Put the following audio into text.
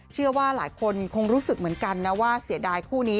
เชื่อว่าหลายคนคงรู้สึกเหมือนกันนะว่าเสียดายคู่นี้